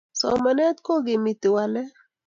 Somanet kokimiti walet